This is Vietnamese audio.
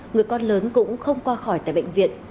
người con lớn cũng không qua khỏi tại bệnh viện